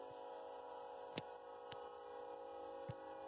Saodatdir